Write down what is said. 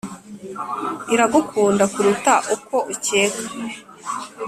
iragukunda kuruta uko ukeka